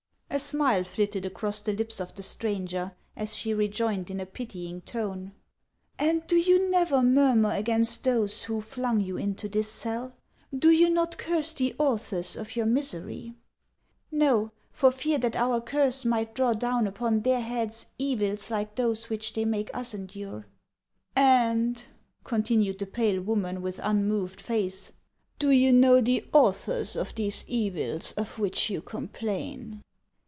A smile flitted across the lips of the stranger, as she rejoined in a pitying tone :" And do you never murmur against those who flung you into this cell \ Do you not curse the authors of your misery ?"" Xo, for fear that our curse might draw down upon their heads evils like those which they make us endure." •' And," continued the pale woman, •with unmoved face, "do you know the authors of these evils of which you complain